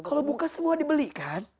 kalau buka semua dibeli kan